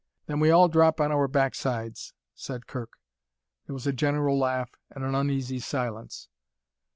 "Then we all drop on our backsides," said Kirk. There was a general laugh, and an uneasy silence.